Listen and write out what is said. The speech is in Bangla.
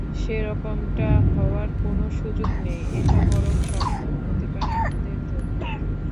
সেরকমটা হওয়ার কোনও সুযোগ নেই, এটা বরং সমাধান হতে পারে আমাদের জন্য!